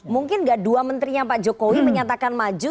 mungkin gak dua menterinya pak jokowi menyatakan maju